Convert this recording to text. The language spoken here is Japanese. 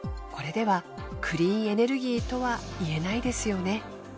これではクリーンエネルギーとは言えないですよね。